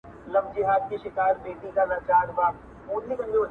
زما په برخه کله لېوني غمونه نه وم